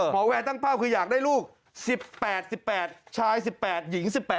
แวร์ตั้งเป้าคืออยากได้ลูก๑๘๑๘ชาย๑๘หญิง๑๘